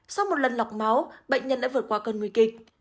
sau một lần lọc máu bệnh nhân đã vượt qua cơn nguy kịch